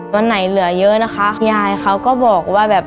วันไหนเหลือเยอะนะคะยายเขาก็บอกว่าแบบ